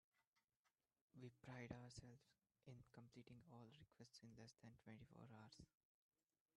We pride ourselves in completing all requests in less than twenty four hours.